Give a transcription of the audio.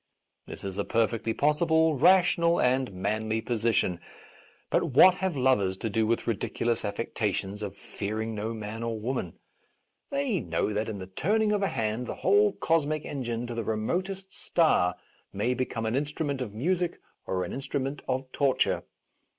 This is a perfectly possible, rational and manly position. But what have lovers to do with ridiculous affectations of fearing no man or woman } They know that in the turning of a hand the whole cosmic en gine to the remotest star may become an instrument of music or an instrument of torture.